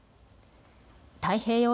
太平洋